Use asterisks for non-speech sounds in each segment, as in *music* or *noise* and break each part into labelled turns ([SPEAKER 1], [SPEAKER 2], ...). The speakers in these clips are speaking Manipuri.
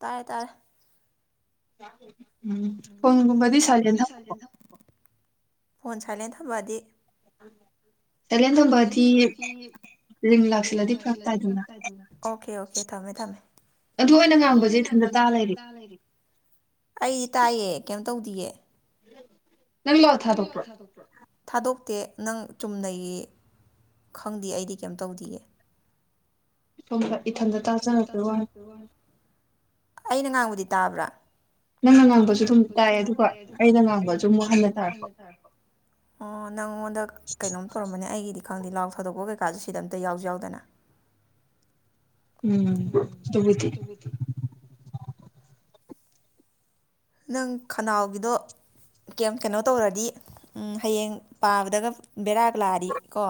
[SPEAKER 1] ꯇꯥꯔꯦ ꯇꯥꯔꯦ
[SPEAKER 2] ꯆ
[SPEAKER 1] ꯎꯝ ꯐꯣꯟꯒꯨꯝꯕꯗꯤꯥꯏꯦꯟ ꯊ ꯐꯣꯟ ꯁꯥꯏꯂꯦꯟ ꯊꯝꯝꯕꯑꯗꯤ
[SPEAKER 2] ꯀꯂꯦꯟ ꯊꯣꯡꯕꯗꯤ ꯔꯤꯝ ꯂꯥꯛꯁꯤꯜꯂꯗꯤ ꯐꯔꯞ ꯇꯥꯏꯗꯧꯅ
[SPEAKER 1] ꯑꯣꯀꯦ ꯑꯣꯀꯦ ꯊꯝꯃꯦ ꯊꯝꯃꯦ
[SPEAKER 2] ꯑꯗꯨ ꯑꯣꯏꯅ ꯉꯥꯡꯕꯁꯦ ꯏꯊꯟꯗ ꯇꯇꯥ ꯂꯩꯔꯦ
[SPEAKER 1] *inaudible* ꯑꯩꯗꯤ ꯇꯥꯏꯌꯦ ꯀꯩꯝ ꯇꯧꯗꯤꯌꯦ
[SPEAKER 2] ꯎꯝ
[SPEAKER 1] ꯅꯪ ꯂꯣ ꯊꯥ ꯊꯣꯛꯣꯛꯄ꯭ꯔꯣ ꯊꯥꯗꯣꯛꯇꯦ ꯅꯪ ꯆꯨꯝꯅꯒꯤ ꯈꯪꯗꯦ ꯑꯩꯗꯤ ꯀꯩꯝ ꯇꯧꯗꯤꯌꯦ
[SPEAKER 2] ꯁꯣꯝꯗ ꯏꯊꯟꯇ ꯇꯥꯖꯔꯛꯛꯇ ꯋꯥꯅꯤ
[SPEAKER 1] ꯑꯗꯨꯣꯟ ꯑꯩꯅ ꯉꯥꯡꯕꯗꯤ ꯇꯥꯕ꯭ꯔꯥ
[SPEAKER 2] ꯅꯪꯅ ꯉꯥꯡꯕꯁꯨ ꯑꯗꯨꯝ ꯇꯥꯏꯌꯦ ꯑꯗꯨꯒ ꯑꯩꯅ ꯉꯥꯡꯕꯁꯨ ꯑꯃꯨꯛ ꯍꯟꯅ ꯇꯥꯔꯦꯀꯣ
[SPEAKER 1] ꯑꯣ ꯅꯪꯉꯣꯟꯗ ꯀꯩꯅꯣꯝ ꯇꯧꯔꯝꯕꯅꯦ ꯑꯩꯒꯤꯗꯤ ꯈꯪꯗꯦ ꯂꯥꯎ ꯊꯥꯗꯣꯛꯄ ꯀꯩꯀꯥꯁꯨ ꯁꯤꯗ ꯑꯝꯇ ꯌꯥꯎꯁꯨ ꯌꯥꯎꯗꯅ
[SPEAKER 2] ꯎꯝ ꯁꯕꯨꯗꯤ
[SPEAKER 1] ꯅꯪ ꯈꯅꯥꯎꯒꯤꯗꯣ ꯀꯦꯝ ꯀꯩꯅꯣ ꯇꯧꯔꯗꯤ ꯎꯝ ꯍꯌꯦꯡ ꯄꯥꯕꯗꯒ ꯕꯦꯔꯥꯛ ꯂꯥꯛꯔꯤ ꯀꯣ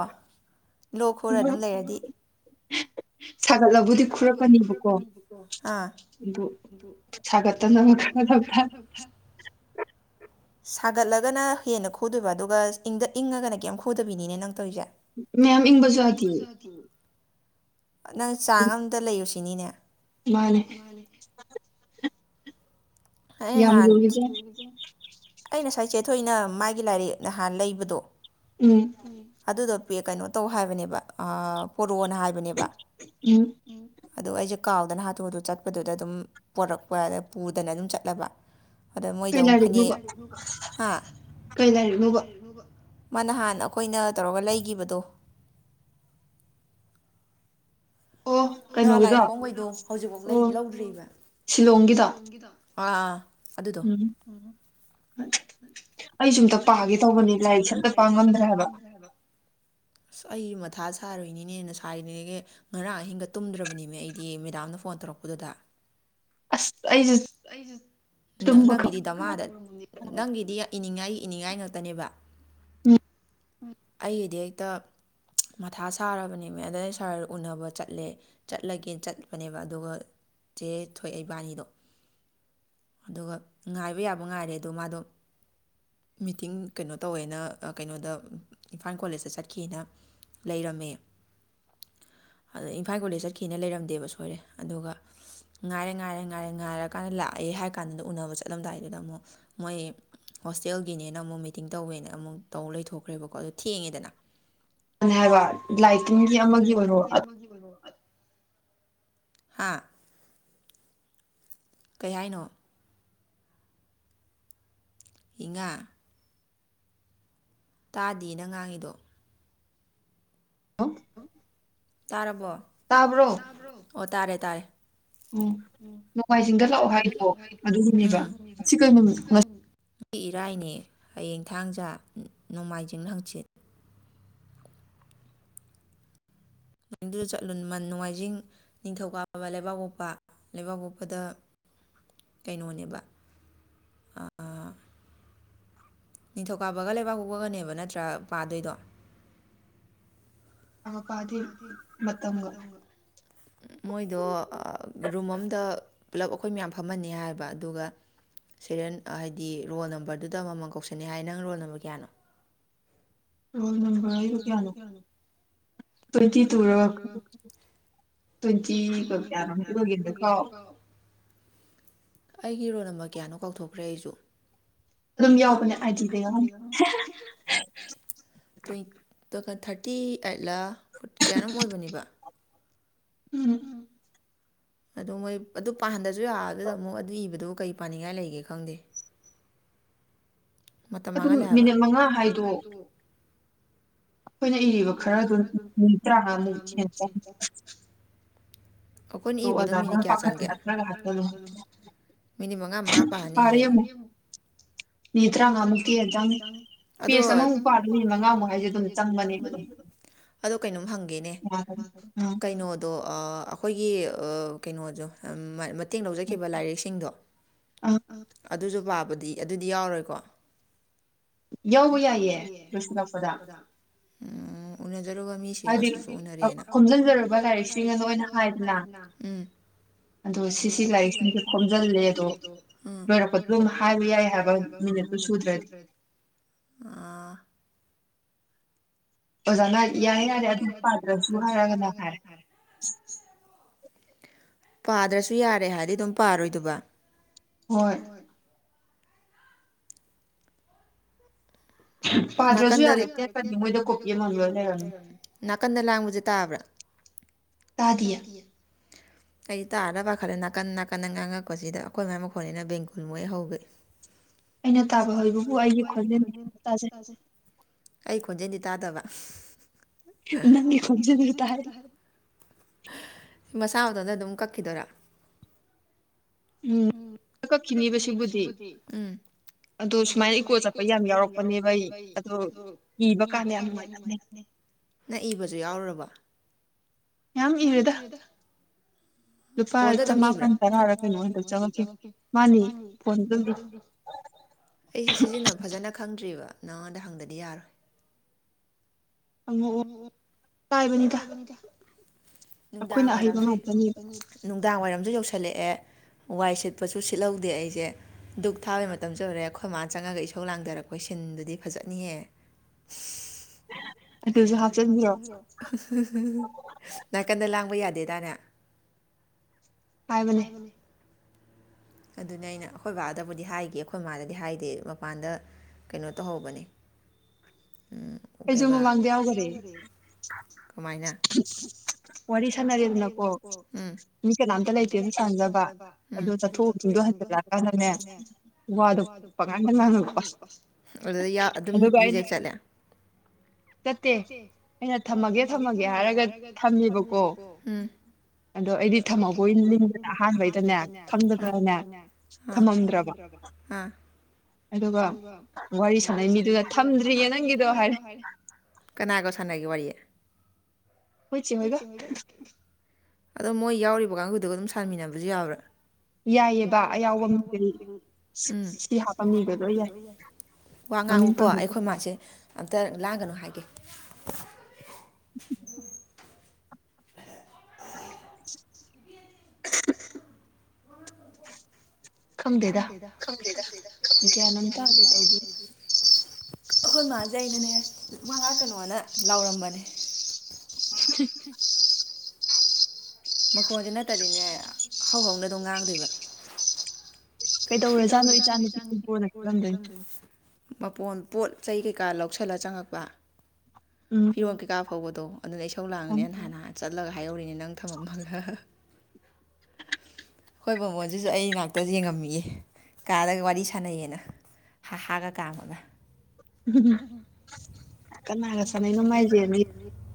[SPEAKER 1] ꯂꯣꯛ ꯈꯨꯔ ꯑꯗꯨꯝ ꯂꯩꯔꯗꯤ
[SPEAKER 2] ꯎꯝ
[SPEAKER 1] ꯁꯥꯒꯠꯂꯕꯨꯗꯤ ꯈꯨꯔꯛꯄꯅꯤꯗꯤꯀꯣ ꯑ ꯑꯗꯨ
[SPEAKER 2] ꯒꯠꯇ ꯅꯪ ꯀꯗꯄ
[SPEAKER 1] ꯑꯣ
[SPEAKER 2] *inaudible*
[SPEAKER 1] ꯁꯥꯒꯠꯂꯒꯅ ꯍꯦꯟꯅ ꯈꯨꯗꯣꯏꯕ ꯑꯗꯨꯒ ꯏꯪꯗ ꯏꯪꯉꯒꯅ ꯀꯩꯝ ꯈꯨꯗꯕꯤꯅꯤꯅꯦ ꯅꯪ ꯇꯧꯔꯤꯁꯦ
[SPEAKER 2] ꯃꯌꯥꯝ ꯏꯪꯕꯁꯨꯥꯗꯤ
[SPEAKER 1] ꯅꯪ ꯆꯥꯡ ꯑꯝꯇ ꯂꯩꯌꯨ ꯁꯤꯅꯤꯅꯦ
[SPEAKER 2] ꯃꯥꯅꯤ
[SPEAKER 1] ꯑꯦ ꯅꯍꯥꯟ ꯑꯩ ꯉꯁꯥꯏ ꯆꯦꯊꯣꯛꯏꯅ ꯃꯥꯒꯤ ꯂꯥꯏꯔꯤꯛ ꯅꯍꯥꯟ ꯂꯩꯕꯗꯣ
[SPEAKER 2] ꯎꯝ
[SPEAKER 1] ꯎ ꯑꯗꯨꯗ ꯄ ꯀꯩꯅꯣ ꯇꯧ ꯍꯥꯏꯕꯅꯦꯕ ꯄꯣꯔꯣꯅ ꯍꯥꯏꯕ ꯅꯦꯕ ꯎ ꯑꯗ ꯑꯩꯁꯦ ꯀꯥꯎꯗꯅ ꯍꯥꯠꯇꯣꯛꯑꯗ ꯆꯠꯄꯗꯨꯗ ꯑꯗꯨꯝ ꯄꯣꯔꯛꯄ ꯄꯨꯗꯅ ꯑꯗꯨꯝ ꯆꯠꯂꯕ ꯑꯗ ꯃꯣꯏꯗ ꯑꯃꯨꯛ ꯐꯅꯦꯛ ꯃꯥ ꯅꯍꯥꯟ ꯑꯩꯈꯣꯏꯅ ꯇꯧꯔꯒ ꯂꯩꯈꯤꯕꯗꯣ ꯉꯍꯥ ꯂꯥꯏꯐꯣꯡꯈꯩꯗꯣ ꯍꯧꯖꯤꯛꯐꯥꯎ ꯂꯧꯗ꯭ꯔꯤꯕꯔꯤꯕ ꯁꯤꯂꯣꯡꯗ ꯑꯥ ꯑꯗꯨꯗꯣ ꯎ
[SPEAKER 2] ꯑꯩꯁ ꯑꯨꯝꯇ ꯄꯥꯒꯦ ꯇꯧꯕꯅꯤ ꯂꯥꯏꯔꯤꯛ ꯁꯝꯇ ꯄꯥ ꯉꯝꯗ꯭ꯔꯦ ꯍꯥꯏꯕ
[SPEAKER 1] ꯑꯁ ꯑꯩ ꯃꯊꯥ ꯁꯥꯔꯣꯏꯅꯤꯅꯦꯅ ꯁꯥꯏꯔꯤꯦ ꯉꯔꯥꯡ ꯍꯦꯟꯒꯠ ꯇꯨꯝꯗ꯭ꯔꯕꯅꯤꯃꯦ ꯑꯩꯗꯤ ꯃꯦꯗꯥꯝꯅ ꯐꯣꯟ ꯇꯧꯔꯛꯄꯗꯨꯗ ꯑꯁ ꯑꯩ ꯅꯪꯒꯗꯤ ꯗꯃꯥꯗ ꯅꯪꯒꯤꯗꯤ ꯏꯅꯤꯡꯉꯥꯏ ꯏꯅꯤꯡꯉꯥꯏ ꯉꯥꯛꯇꯅꯦꯕ
[SPEAKER 2] ꯎꯝ
[SPEAKER 1] ꯑꯩꯒꯤꯗꯤ ꯍꯦꯛꯇ ꯃꯊꯥ ꯁꯥꯔꯕꯅꯦꯃꯦ ꯑꯗꯨ ꯑ ꯁꯍꯔ ꯎꯅꯕ ꯆꯠꯂꯦ ꯆꯠꯂꯒꯦ ꯆꯠꯄꯅꯦꯕ ꯑꯗꯨꯒ ꯆꯦ ꯊꯣꯛꯏ ꯏꯕꯥꯅꯤꯗꯣ ꯑꯗꯨꯒ ꯉꯥꯏꯕ ꯌꯥꯕ ꯉꯥꯏꯔꯦ ꯑꯗꯣ ꯃꯥꯗꯣ ꯃꯤꯇꯤꯡ ꯀꯩꯅꯣ ꯇꯧꯋꯦꯅ ꯀꯩꯅꯣꯗ ꯏꯝꯐꯥꯜ ꯀꯣꯂꯦꯖꯇ ꯆꯠꯈꯤꯑꯅ ꯂꯩꯔꯝꯃꯦ ꯑ ꯃꯥꯏ ꯀꯣꯂꯦꯖ ꯆꯠꯈꯤꯅ ꯂꯩꯔꯝꯗꯦꯕ ꯁꯣꯏꯔꯦ ꯑꯗꯨꯒ ꯉꯥꯏꯔꯦ ꯉꯥꯏꯔꯦ ꯉꯥꯏꯔꯦ ꯉꯥꯏꯔ ꯀꯥꯟꯗ ꯂꯥꯛꯑꯦ ꯍꯥꯏ ꯀꯥꯟꯗꯨꯗ ꯎꯅꯕ ꯆꯠꯂꯝꯗꯥꯏꯗꯨꯗ ꯑꯃꯨꯛ ꯃꯣꯏ ꯍꯣꯁꯇꯦꯜꯒꯤꯅꯦꯅ ꯑꯃꯨꯛ ꯃꯤꯇꯤꯡ ꯇꯧꯋꯦꯅ ꯑꯃꯨꯛ ꯇꯧ ꯂꯩꯊꯣꯛꯈ꯭ꯔꯦꯕꯀꯣ ꯑꯗꯨ ꯊꯦꯡꯉꯦꯗꯅ
[SPEAKER 2] ꯍꯥꯏꯕ ꯂꯥꯏꯀꯤꯟꯒꯤ ꯑꯃꯒꯤ ꯑꯣꯏꯔꯣ
[SPEAKER 1] *unintelligible* ꯍꯥꯥ ꯀꯩ ꯍꯥꯏꯅꯣ ꯏꯪꯉꯥ ꯇꯥꯗꯦꯌꯦ ꯅꯪ ꯉꯥꯡꯉꯤꯗꯣ
[SPEAKER 2] ꯍꯜꯂꯣ
[SPEAKER 1] ꯍꯜꯂꯣ ꯇꯥꯔꯕꯣ ꯇꯥꯕꯔꯣ ꯑꯣ ꯇꯥꯔꯦ ꯇꯥꯔꯦ
[SPEAKER 2] ꯎꯝ ꯅꯣꯡꯃꯥꯏꯖꯤꯡꯗ ꯂꯥꯛꯑꯣ ꯍꯥꯏꯗꯣ ꯑꯗꯨꯒꯤꯅꯦꯕ ꯑꯁꯤ ꯀꯩ ꯅꯨꯃꯤꯠ
[SPEAKER 1] ꯁꯤ ꯏꯔꯥꯏꯅꯦ ꯍꯌꯦꯡ ꯊꯥꯡꯖꯥ ꯅꯣꯡꯃꯥꯏꯖꯤꯡꯅ ꯍꯪꯆꯤꯠ ꯗꯨꯗ ꯆꯠꯂꯨ ꯃꯟ ꯅꯨꯡꯃꯥꯏꯖꯤꯡ ꯅꯤꯡꯊꯧꯀꯥꯕ ꯂꯩꯕꯥꯛꯄꯣꯛꯄ ꯂꯩꯕꯥꯛꯄꯣꯛꯄꯗ ꯀꯩꯅꯣꯅꯦꯕ
[SPEAKER 2] *inaudible*
[SPEAKER 1] ꯅꯤꯡꯊꯧꯀꯥꯕꯒ ꯂꯩꯕꯥꯛꯄꯣꯛꯄꯒꯅꯦꯕ ꯅꯠꯇ꯭ꯔ ꯄꯥꯗꯣꯏꯗꯣ ꯃꯣꯏꯗꯣ ꯑꯥ ꯔꯨꯝ ꯑꯝꯗ ꯄꯨꯂꯞ ꯑꯩꯈꯣꯏ ꯃꯌꯥꯝ ꯐꯝꯍꯟꯅꯤ ꯍꯥꯏꯕ ꯑꯗꯨꯒ ꯁꯦꯔꯦꯟ ꯍꯥꯏꯗꯤ ꯔꯣꯜ ꯅꯝꯕꯔꯗꯨꯗ ꯑꯃꯃꯝ ꯀꯧꯁꯟꯅꯤ ꯍꯥꯏꯌꯦ ꯅꯪ ꯔꯣꯜ ꯅꯝꯕꯔ ꯀꯌꯥꯅꯣ
[SPEAKER 2] ꯔꯣꯜ ꯇꯝꯕꯔ ꯑꯩꯗꯣ ꯀꯌꯥꯅꯣ ꯇꯨꯋꯦꯟꯇꯤ ꯇꯨꯔ ꯇꯨꯋꯦꯟꯇꯤ ꯒꯥ ꯀꯌꯥꯅꯣꯝꯗꯤ ꯑꯣꯏꯈꯤꯕꯅꯦ ꯀꯧꯔꯦ
[SPEAKER 1] ꯑꯩꯒꯤ ꯔꯣꯜ ꯅꯝꯕꯔ ꯀꯌꯥꯅꯣ ꯀꯥꯎꯊꯣꯛꯈ꯭ꯔꯦ ꯑꯩꯁꯨ
[SPEAKER 2] ꯑꯗꯨꯝ ꯌꯥꯎꯕꯅꯦ ꯑꯥꯏ ꯖꯤ ꯗ ꯌꯥꯎꯔꯝꯅꯤ
[SPEAKER 1] *unintelligible* ꯊꯥꯔꯇꯤ ꯑꯥꯏꯠꯂ ꯐꯨꯠ ꯀꯌꯥꯅꯣꯝ ꯑꯣꯏꯕꯅꯦꯕ
[SPEAKER 2] ꯎꯝ
[SPEAKER 1] *unintelligible* ꯑꯗꯣ ꯃꯣꯏ ꯑꯗꯨ ꯄꯥꯍꯟꯗꯔꯁꯨ ꯌꯥꯅꯤꯗ ꯑꯃꯨꯛ ꯑꯗꯨ ꯏꯕꯗꯨꯕꯨ ꯀꯩ ꯄꯥꯅꯤꯡꯉꯥꯏ ꯂꯩꯒꯦ ꯈꯪꯗꯦ ꯃꯇꯝ ꯃꯥꯡꯍꯜꯂꯦ ꯍꯥꯏꯕꯥ ꯃꯤꯅꯤꯠ ꯃꯉꯥ ꯍꯥꯢꯗꯣ
[SPEAKER 2] ꯑꯩꯈꯣꯏꯅ ꯏꯔꯤꯕ ꯈꯔꯗꯣ ꯃꯤꯅꯤꯠ ꯇꯔꯥꯉꯥꯃꯨꯛ ꯍꯦꯟ ꯆꯪꯅꯤ
[SPEAKER 1] ꯑꯩꯈꯣꯏꯅ ꯏꯕꯗꯣ ꯃꯤꯅꯤꯠ ꯀꯌꯥ ꯆꯪꯒꯦ ꯃꯤꯅꯤꯠ ꯃꯉꯥ ꯃꯉꯥ ꯄꯥꯍꯟꯅꯤ ꯍꯥꯏꯌꯦ ꯃꯤꯅꯤꯠ ꯇꯔꯥꯉꯥ ꯃꯨꯛꯇꯤ ꯑꯥꯗꯪ ꯑꯗꯣ *unintelligible* ꯃꯤꯅꯤꯠ ꯃꯉꯥ ꯃꯨꯛ ꯍꯥꯏꯁꯦ ꯆꯪꯕꯅꯦ ꯑꯗꯣ ꯀꯩꯅꯣꯝ ꯍꯪꯒꯦꯅꯦ ꯀꯩꯅꯣ ꯗꯣ ꯑꯥ ꯑꯩꯈꯣꯏꯒꯤ ꯑꯥ ꯀꯩꯅꯣꯖꯣ ꯎꯝ ꯇꯦꯡꯅꯧ ꯆꯠꯈꯤꯕ ꯂꯥꯏꯔꯤꯛꯁꯤꯡꯗꯣ ꯑꯗꯨꯁꯨ ꯄꯥꯕꯗꯤ ꯑꯗꯨꯗꯤ ꯌꯥꯎꯔꯔꯣꯏꯀꯣ
[SPEAKER 2] ꯌꯥꯎꯕ ꯌꯥꯏꯌꯦ ꯂꯣꯏꯁꯤꯜꯂꯛꯄꯗ
[SPEAKER 1] ꯎꯝ ꯎꯅꯖꯔꯨꯕ ꯃꯤꯁꯦ ꯑꯁꯤꯁꯨ ꯎꯅꯔꯦꯅ ꯈꯣꯝꯖꯤꯟꯖꯔꯨꯕ ꯂꯥꯏꯔꯤꯛ ꯁꯤꯡ ꯑꯗꯣ ꯑꯩꯅꯥ ꯍꯥꯏꯌꯦꯗꯅ ꯎꯝ ꯑꯗꯣ ꯁꯤꯁꯤ ꯂꯥꯏꯔꯤꯛꯁꯤꯡꯗꯨ ꯈꯣꯝꯖꯤꯜꯂꯦ ꯗꯣ ꯂꯣꯏꯔꯛꯄꯗꯨꯝ ꯍꯥꯏꯕ ꯌꯥꯏ ꯍꯥꯏꯕ ꯃꯤꯅꯤꯠꯇꯣ ꯁꯨꯗꯔꯗꯤ
[SPEAKER 2] *inaudible*
[SPEAKER 1] ꯑꯥ
[SPEAKER 2] ꯑꯣꯖꯥꯅ ꯌꯥꯔ‌ꯦ ꯌꯥꯔꯦ ꯑꯗꯨ ꯄꯥꯗ꯭ꯔꯁꯨ ꯍꯥꯏꯔꯒꯅ ꯍꯥꯏꯔꯦ
[SPEAKER 1] ꯄꯥꯗ꯭ꯔꯁꯨ ꯌꯥꯔꯦ ꯍꯥꯏꯔꯗꯤ ꯑꯗꯨꯝ ꯄꯥꯔꯣꯏꯗꯨꯕ
[SPEAKER 2] ꯍꯣꯏ
[SPEAKER 1] ꯅꯥꯀꯟꯗ ꯅꯥꯀꯟꯗ ꯂꯥꯡꯕꯁꯦ ꯇꯥꯕ꯭ꯔꯥ ꯇꯥꯗꯤꯌ‌ꯦ ꯀ ꯇꯥꯗꯕ ꯈꯔ ꯅꯥꯀꯟ ꯅꯥꯀꯟꯟꯅ ꯉꯥꯡꯉꯛꯄꯁꯤꯗ ꯑꯩꯈꯣꯏ ꯃꯥꯏ ꯃꯈꯣꯅꯤꯅ ꯕꯦꯡꯒꯨꯜ ꯃꯣꯏ ꯍꯧꯒꯦ
[SPEAKER 2] ꯑꯩꯅ ꯇꯥꯕ ꯍꯕꯕꯨ ꯑꯩꯒꯤ ꯈꯣꯟꯖꯦꯜꯝꯇ ꯇꯥꯖꯩ
[SPEAKER 1] ꯑꯩ ꯈꯣꯟꯖꯦꯜꯗꯤ ꯇꯥꯗꯕ
[SPEAKER 2] ꯅꯪꯒꯤ ꯈꯟꯖꯗꯔ ꯇꯥꯔꯦ
[SPEAKER 1] ꯃꯁꯥ ꯃꯇꯗꯣꯗ ꯑꯗꯨꯝ ꯀꯛꯈꯤꯗꯣꯏꯔꯥ ꯎꯀꯣ ꯀꯅꯤ ꯀꯁꯤꯕꯨꯙꯤ
[SPEAKER 2] ꯑꯣ ꯁꯨꯃꯥꯏꯅ ꯏꯀꯣ ꯆꯠꯄ ꯌꯥꯝ ꯌꯥꯎꯔꯛꯄꯅꯦꯕ ꯑꯩ ꯑꯗꯣ ꯏꯕ ꯀꯥꯟꯗ ꯌꯥꯝ ꯅꯨꯡꯉꯥꯏꯖꯕꯅꯦ
[SPEAKER 1] ꯅꯛꯏꯕꯁꯨ ꯌꯥꯎꯔꯕ
[SPEAKER 2] ꯌꯥꯝ ꯏꯔꯦꯗ ꯂꯨꯄꯥ ꯆꯃꯥꯄꯜ ꯇꯔꯥꯔ ꯀꯩꯅꯣ ꯍꯟꯗꯛ ꯆꯪꯉꯛꯒꯦ ꯃꯥꯅꯤ ꯐꯣꯟ ꯇ
[SPEAKER 1] ꯑꯩꯁꯤ ꯁꯤꯖꯤꯟꯅꯕ ꯐꯖꯅ ꯈꯪꯗ꯭ꯔꯤꯕ ꯅꯪꯉꯣꯟꯗ ꯍꯪꯗꯗꯤ ꯌꯥꯔꯣꯏ
[SPEAKER 2] ꯑꯪꯉꯛꯑꯣ ꯆꯥꯏꯕꯅꯤꯗ ꯑꯩꯈꯣꯏꯅ ꯑꯍꯩꯕ ꯉꯥꯛꯇꯅꯦꯕ
[SPEAKER 1] ꯅꯨꯡꯗꯥꯡ ꯋꯥꯏꯔꯝꯁꯨ ꯌꯧꯁꯜꯂꯛꯑꯦ ꯋꯥꯏ ꯁꯤꯠꯄꯁꯨ ꯁꯤꯠꯍꯧꯗꯦ ꯑꯩꯁꯦ ꯙꯛ ꯊꯥꯕꯩ ꯃꯇꯝꯁꯨ ꯑꯣꯏꯔꯦ ꯑꯩꯈꯣꯏ ꯃꯥꯅ ꯆꯪꯉꯒ ꯏꯁꯧ ꯂꯥꯡꯊꯔꯛꯄ ꯁꯤꯟꯗꯨꯗꯤ ꯐꯖꯅꯤꯍꯦ
[SPEAKER 2] *inaudible*
[SPEAKER 1] ꯅꯥꯀꯟꯗ ꯂꯥꯡꯕ ꯌꯥꯗꯦꯗꯅꯦ ꯄꯥꯏꯕꯅꯦ ꯑꯗꯨꯅ ꯑꯩꯅ ꯑꯩꯈꯣꯏ ꯕꯥꯗꯕꯨꯗꯤ ꯍꯥꯏꯈꯤ ꯑꯩꯈꯣꯏ ꯏꯃꯥꯗꯗꯤ ꯍꯥꯏꯗꯦ ꯃꯄꯥꯟꯗ ꯀꯩꯅꯣ ꯇꯧꯍꯧꯕꯅꯦ ꯎ
[SPEAKER 2] ꯑꯩꯁꯨ ꯃꯃꯥꯡꯥꯡꯗꯦꯎꯖꯔꯦ
[SPEAKER 1] ꯀꯃꯥꯏꯅ ꯋꯥꯔꯤ ꯁꯥꯟꯅꯔꯤꯦꯗꯅꯀꯣ ꯎꯝ ꯃꯤ ꯀꯅꯥꯝꯇ ꯂꯩꯇ꯭ꯔꯦꯅ ꯁꯝꯖꯕ ꯑꯗꯨꯗꯣ ꯆꯠꯊꯣꯛ ꯆꯁꯤꯟꯗꯣ ꯍꯟꯖꯠꯂꯛꯑꯀꯥꯟꯗꯅꯦ ꯑꯗꯨ ꯑꯗꯨꯝ ꯔꯤꯖꯦꯛ ꯆꯠꯂꯦ
[SPEAKER 2] ꯁꯠꯇꯦ ꯑꯩꯅ ꯊꯝꯃꯒꯦ ꯊꯝꯃꯒꯦ ꯍꯥꯏꯔꯒ ꯊꯝꯃꯦꯕꯀꯣ ꯑꯗꯣ ꯑꯩꯗꯤ ꯊꯝꯃꯧꯕꯒꯤꯗꯅ ꯑꯍꯥꯟꯕꯩꯗꯅꯦ ꯈꯝꯗꯗꯅꯅꯦ
[SPEAKER 1] ꯑ ꯑ
[SPEAKER 2] ꯑꯗꯨꯒ ꯋꯥꯔꯤ ꯁꯥꯟꯅꯩ ꯃꯤꯗꯨꯗ ꯊꯝꯗ꯭ꯔꯤꯌꯦ ꯅꯪꯒꯤꯗꯣ ꯍꯥꯏꯔꯦ
[SPEAKER 1] ꯀꯅꯥꯒ ꯁꯥꯟꯅꯒꯦ ꯋꯥꯔꯤꯌꯦ ꯣꯏ ꯆ ꯑꯗꯣ ꯃꯣꯏ ꯌꯥꯎꯔꯤꯕ ꯀꯥꯡꯈꯗꯨꯒ ꯑꯗꯨꯝ ꯁꯥꯟꯃꯤꯟꯅꯕꯁꯨ ꯌꯥꯎꯕ꯭ꯔꯥ ꯌꯥꯏꯑ ꯕꯥ ꯑꯌꯥꯎꯕꯁꯤꯡ ꯁꯤ ꯍꯥꯞꯄ ꯃꯤꯁꯦ ꯂꯣꯏ ꯌꯥꯏ ꯋꯥ ꯉꯥꯡꯉꯨꯀꯣ ꯑꯩꯈꯣꯏ ꯃꯥꯁꯦ ꯑꯝꯇ ꯂꯥꯡꯒꯅꯨ ꯍꯥꯏꯒꯦ
[SPEAKER 2] ꯑ
[SPEAKER 1] ꯈꯪꯗꯦꯗ ꯈꯪꯗꯦꯗ ꯈꯅ ꯇꯥꯔꯗꯗ ꯑꯩꯈꯣꯏ ꯃꯥꯁꯦ ꯑꯩꯅꯅꯦ ꯃꯉꯥ ꯀꯩꯅꯣꯅ ꯂꯥꯎꯔꯝꯕꯅꯦ
[SPEAKER 2] ꯊ
[SPEAKER 1] ꯃꯈꯣꯟꯁꯦ ꯅꯠꯇꯗꯤꯅꯦ ꯍꯧ ꯍꯧꯅ ꯑꯗꯨꯝ ꯉꯥꯡꯗꯣꯏꯕ ꯀꯩꯗꯧꯔ ꯆꯥꯗꯣ ꯏ ꯆꯆꯥꯅꯤꯄꯤ ꯐꯨꯠꯕꯣꯜꯗ ꯈꯤꯪꯗꯣꯏꯁꯦ ꯃꯄꯣꯟ ꯄꯣꯠ ꯆꯩ ꯀꯩꯀꯥ ꯂꯧꯁꯜꯂ ꯆꯪꯉꯛꯄ
[SPEAKER 2] ꯎꯝ
[SPEAKER 1] ꯐꯤꯔꯣꯡ ꯀꯩꯀꯥ ꯐꯥꯎꯕꯗꯣ ꯑꯗꯨꯅ ꯑꯩ ꯁꯧ ꯂꯥꯡꯉꯅꯦꯅ ꯍꯥꯟꯅ ꯆꯠꯂꯒ ꯍꯥꯏꯍꯧꯔꯤꯅꯦ ꯅꯪ ꯊꯝꯃꯝꯃꯜꯂ
[SPEAKER 2] *inaudible*
[SPEAKER 1] ꯍꯣꯏ ꯕꯥꯃꯣꯟꯁꯤꯁꯨ ꯑꯩ ꯉꯅꯥꯥꯛꯇ ꯌꯦꯡꯉꯝꯃꯤꯌꯦ ꯀꯥꯔꯒ ꯋꯥꯔꯤ ꯁꯥꯟꯅꯩꯌꯦꯅ ꯍꯥ ꯍꯥꯒ ꯀꯥꯝꯃꯒ
[SPEAKER 2] ꯎ ꯀꯅꯥꯒ ꯁꯥꯟꯅꯩꯅꯣꯉꯥꯏꯖꯦꯅꯤ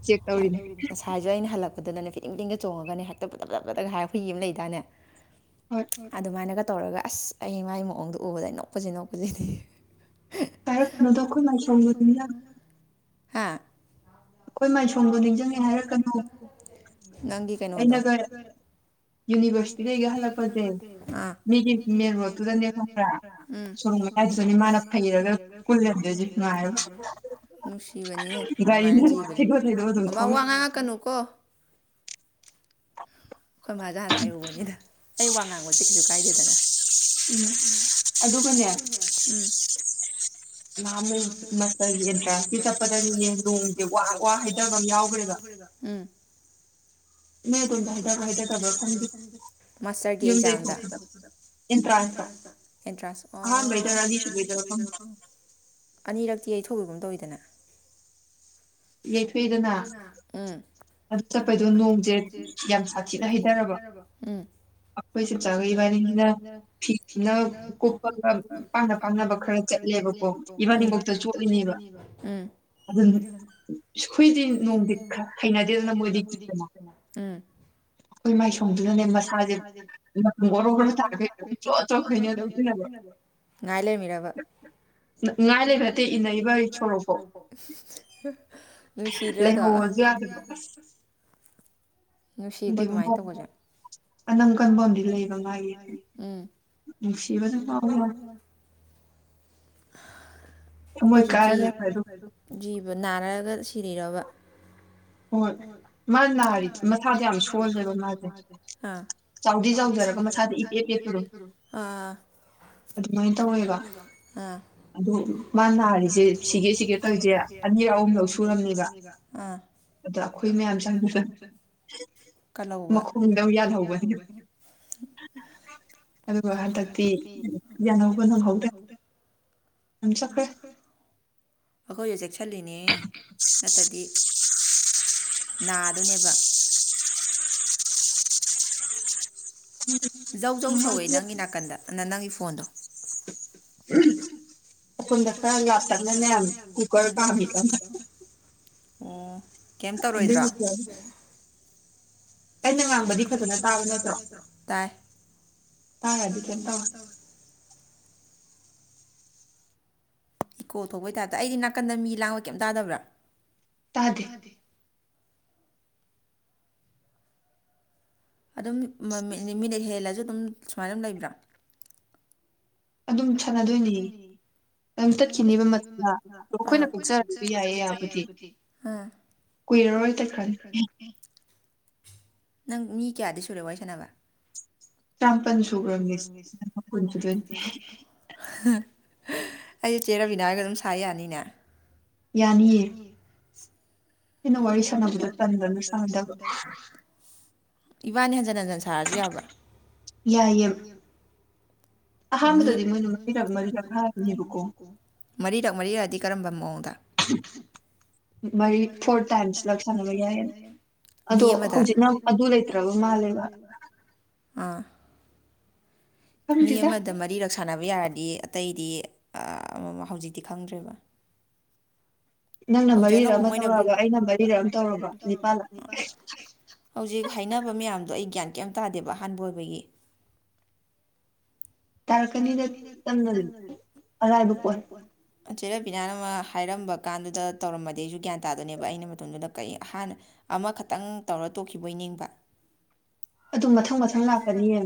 [SPEAKER 2] ꯆꯦꯛ ꯇꯧꯔꯤꯅꯦ
[SPEAKER 1] *unintelligible* ꯑꯗꯨꯃꯥꯏꯅꯒ ꯇꯧꯔꯒ ꯑꯁ ꯑꯩ ꯃꯥꯏ ꯃꯑꯣꯡꯗ‌ꯣ ꯎꯕꯗ ꯅꯣꯛꯄꯁꯤ ꯅꯣꯛꯄꯁꯤꯗꯤ
[SPEAKER 2] ꯀꯥꯏꯔꯛ ꯀꯩꯅꯣꯗꯣ ꯑꯩꯈꯣꯏ ꯃꯥꯏꯁꯧꯖꯗꯅꯤꯅ
[SPEAKER 1] *unintelligible* ꯀꯩꯅ‌ꯣꯗꯣ ꯎꯝ ꯅꯨꯡꯁꯤꯕꯅꯤꯅꯦ ꯑꯗꯨꯃꯥꯏꯅ ꯖꯤꯕꯗ‌ꯣ *unintelligible* ꯉꯥꯡꯉꯛꯀꯅꯨ ꯀꯣ ꯑꯩꯈꯣꯏ ꯃꯥꯗ ꯍꯥꯟꯅ ꯍꯥꯏꯍꯧꯕꯅꯤꯗ ꯑꯩ ꯋꯥ ꯉꯥꯡꯕꯁꯦ ꯀꯩꯁꯨ ꯀꯥꯏꯗꯦꯗꯅ ꯑꯗꯨꯒꯅ‌ꯦ ꯎꯝ *unintelligible* ꯎꯝ
[SPEAKER 2] *inaudible*
[SPEAKER 1] ꯃꯥꯁꯇꯔꯒꯤ ꯑꯦꯛꯖꯥꯝꯗ ꯑꯦꯟꯇ꯭ꯔ ꯑꯣ ꯑꯅꯤꯔꯛꯇꯤ ꯌꯩꯊ‌ꯣꯛꯈꯤꯒꯨꯝ ꯇꯧꯋꯤꯗꯅ ꯌꯩꯊ‌ꯣꯛꯑꯦꯗꯅ ꯎꯝ ꯑꯗꯨ ꯆꯠꯄꯩꯗꯣ ꯅꯣꯡꯁꯦ ꯌꯥꯝ ꯁꯥꯊꯤꯅ ꯍꯩꯊꯔꯕ ꯎꯝ *unintelligible*
[SPEAKER 2] ꯐꯤꯗꯨꯅ ꯀꯨꯞꯄꯒ ꯄꯥꯡꯅ ꯄꯥꯡꯅꯕ ꯈꯔ ꯆꯠꯂꯦꯕꯀꯣ
[SPEAKER 1] ꯎꯝ ꯎꯝ ꯎꯝ
[SPEAKER 2] ꯑꯩꯈꯣꯏ ꯃꯥꯏ ꯁꯣꯡꯗꯨꯅꯅꯦ ꯃꯁꯥꯁꯦ *unintelligible*
[SPEAKER 1] ꯉꯥꯏ ꯂꯩꯔꯝꯃꯤꯔꯕ *unintelligible* ꯅꯨꯡꯁꯤꯗ꯭ꯔꯗꯣ ꯅꯨꯡꯁꯤꯀꯣ ꯑꯗꯨꯃꯥꯏꯅ ꯇꯧꯕꯁꯦ
[SPEAKER 2] ꯑꯅꯝ ꯀꯟꯕ ꯑꯃꯗꯤ ꯂꯩꯌ‌ꯦꯕ ꯃꯥꯒꯤ
[SPEAKER 1] ꯎꯝ
[SPEAKER 2] ꯅꯨꯡꯁꯤꯕꯅ ꯉꯥꯎꯕ
[SPEAKER 1] ꯑꯩꯈꯣꯏꯁꯨ ꯖꯤ ꯖꯤꯕ ꯅꯥꯔꯛꯑꯒ ꯁꯤꯔꯤꯔꯕ ꯍꯣꯏ ꯃꯥ ꯅꯥꯔꯤ ꯃꯁꯥꯁꯦ ꯌꯥꯝ ꯁꯣꯜꯂꯦꯕ ꯃꯥꯁꯦ ꯆꯥꯎꯗꯤ ꯆꯥꯎꯖꯔꯒ ꯃꯁꯥꯁ‌ꯦ ꯏꯄ‌ꯦꯠ ꯄ‌ꯦꯠꯄꯗꯧꯅ ꯑꯥ ꯑꯗꯨꯃꯥꯏ ꯇꯧꯌ‌ꯦꯕ ꯑꯥ
[SPEAKER 2] ꯑꯗꯨ ꯃꯥ ꯅꯥꯔꯤꯁꯦ ꯁꯤꯒꯦ ꯁꯤꯒꯦ ꯇꯧꯔꯤꯁꯦ ꯑꯅꯤꯔꯛ ꯑꯍꯨꯝ ꯂꯛ ꯁꯨꯔꯕꯅꯦꯕ
[SPEAKER 1] ꯑꯥ
[SPEAKER 2] ꯑꯗ ꯑꯩꯈꯣꯏ ꯃꯌꯥꯝ ꯆꯪ
[SPEAKER 1] ꯀꯜꯍꯧꯕ ꯃꯈꯣꯡꯗ ꯌꯥꯜꯍꯧꯕꯅꯤ
[SPEAKER 2] ꯑꯗꯨꯒ ꯍꯟꯗꯛꯇꯤ ꯌꯥꯜꯍꯧꯕ ꯅꯪꯍꯧꯗ꯭ꯔꯦ ꯑꯗꯨꯝ ꯆꯠꯈꯔ‌ꯦ
[SPEAKER 1] ꯑꯩꯈꯣꯏꯁꯨ ꯆꯦꯛꯁꯤꯜꯂꯤꯅꯦꯍ‌ꯦ ꯅꯠꯇ꯭ꯔꯗꯤ ꯅꯥꯗ‌ꯣꯏꯅꯦꯕ ꯖꯧ ꯖꯧ ꯁꯧꯋꯦ ꯅꯪꯒꯤ ꯅꯥꯀꯟꯗ ꯅꯅ ꯅꯪꯒꯤ ꯐꯣꯟꯗꯣ
[SPEAKER 2] ꯑꯁ‌ꯣꯝꯗ ꯈꯔ ꯂꯥꯞꯇꯛꯅꯅ‌ꯦ ꯀꯨꯀꯔ ꯀꯝꯃꯤ
[SPEAKER 1] ꯑꯣ ꯀꯩꯝ ꯇꯧꯔꯣꯏꯗ꯭ꯔꯣ
[SPEAKER 2] ꯑꯩꯅ ꯉꯥꯡꯕꯗꯤ ꯐꯖꯅ ꯇꯥꯕ ꯅꯠꯇ꯭ꯔꯣ ꯇꯥꯔꯗꯤ ꯀꯩꯝ ꯇꯧꯔ‌ꯣꯏ
[SPEAKER 1] ꯏꯀꯣ ꯊꯣꯛꯄꯩ ꯇꯥꯏꯞꯇ ꯑꯩꯗꯤ ꯅꯥꯀꯟꯗ ꯃꯤ ꯂꯥꯡꯕ ꯀꯩꯝꯇꯥꯗꯕ꯭ꯔꯥ
[SPEAKER 2] ꯇꯥꯗ‌ꯦ
[SPEAKER 1] ꯑꯗꯨꯝ ꯃꯤꯠ ꯍꯦꯜꯂꯁꯨ ꯑꯗꯨꯝ ꯁꯨꯃꯥꯏꯅ ꯑꯗꯨꯝ ꯂꯩꯕ꯭ꯔꯥ
[SPEAKER 2] ꯑꯗꯨꯝ ꯁꯥꯟꯅꯗꯣꯏꯅ‌ꯦ ꯑꯗꯨꯝ ꯆꯠꯈꯤꯅꯤꯕ ꯃꯇꯝꯗ ꯑꯗ ꯑꯩꯈꯣꯏꯅ ꯀꯛꯆꯔꯕ ꯌꯥꯏꯌꯦ ꯌꯥꯕꯨꯗꯤ ꯀꯨꯏꯔꯔꯣꯏ ꯇ ꯈ꯭ꯔꯅꯤ
[SPEAKER 1] ꯅꯪ ꯃꯤ ꯀꯌꯥꯗꯤ ꯁꯨꯔꯦ ꯋꯥꯔꯤ ꯁꯥꯟꯅꯕ
[SPEAKER 2] ꯆꯥꯃꯥꯄꯜ ꯁꯨꯈ꯭ꯔꯝꯅꯤ ꯃꯄꯨꯟꯁꯨ ꯂꯣꯏ
[SPEAKER 1] ꯑꯩꯁꯦ ꯆꯦ ꯔꯕꯤꯅꯥꯒ ꯑꯗꯨꯝ ꯁꯥ ꯌꯥꯅꯤꯅꯦ
[SPEAKER 2] ꯌꯥꯅꯤꯌꯦ ꯏꯩꯅ ꯋꯥꯔꯤꯁꯅꯕꯗ ꯇꯟꯅ ꯁꯥꯗꯕ
[SPEAKER 1] ꯏꯕꯥꯅꯤ ꯍꯟꯖꯟ ꯍꯟꯖꯤꯟ ꯁꯥꯔꯁꯨ ꯌꯥꯕ꯭ꯔꯥ
[SPEAKER 2] ꯌꯥꯏꯌꯦ
[SPEAKER 1] ꯃꯔꯤꯔꯛ ꯃꯔꯤꯔꯛꯑꯗꯤ ꯀꯔꯝꯕ ꯃꯑꯣꯡꯗ
[SPEAKER 2] ꯃꯔꯤ ꯐꯣꯔ ꯇꯥꯏꯝꯁꯂ ꯁꯥꯟꯅꯕ ꯌꯥꯏꯌꯦ
[SPEAKER 1] ꯃꯤ ꯑꯃꯗ ꯍꯧꯖꯤ ꯑꯥ ꯃꯤ ꯑꯃꯗ ꯃꯔꯤꯔꯛ ꯁꯥꯟꯅꯕ ꯌꯥꯔꯗꯤ ꯑꯇꯩꯗꯤ ꯍꯧꯖꯤꯛꯇꯤ ꯈꯪꯗ꯭ꯔꯦꯕ ꯍꯧꯖꯤꯛ ꯑꯅꯧꯕ ꯃꯣꯏꯅ ꯒ꯭ꯔꯨꯞ ꯑꯃ ꯇꯧꯒ ꯑꯩꯅ ꯔꯤꯗ ꯑꯃ ꯇꯧꯔꯕ ꯅꯤꯄꯥꯜꯗ ꯍꯧꯖꯤꯛ ꯍꯥꯏꯅꯕ ꯃꯌꯥꯝꯗꯣ ꯑꯩ ꯒ꯭ꯌꯥꯟ ꯀꯩꯝ ꯇꯥꯗꯦꯕ ꯑꯍꯥꯟꯕ ꯑꯣꯏꯕꯒꯤ
[SPEAKER 2] ꯇꯥꯔꯛꯀꯅꯤꯗ ꯆꯪꯅꯔ ꯑꯔꯥꯏꯕ ꯄꯣꯠ
[SPEAKER 1] ꯆꯦꯔꯕꯤꯅꯥꯅ ꯑꯃ ꯍꯥꯏꯔꯝꯕ ꯀꯥꯟꯗꯨꯗ ꯇꯧꯔꯃꯗꯩꯁꯨ ꯒ꯭ꯌꯥꯟ ꯇꯥꯗꯣꯏꯅꯦꯕ ꯑꯩꯅ ꯃꯇꯝꯗꯨꯗ ꯀꯩ ꯍꯥꯟꯅ ꯑꯃꯈꯛꯇꯪ ꯇꯧꯔ ꯇꯣꯛꯈꯤꯕꯣꯏ ꯅꯤꯡꯕ
[SPEAKER 2] ꯑꯗꯨ ꯃꯊꯪ ꯃꯊꯪ ꯂꯥꯛꯀꯅꯤꯌꯦ